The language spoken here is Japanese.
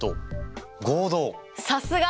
さすが！